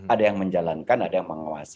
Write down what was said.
ada yang menjalankan ada yang mengawasi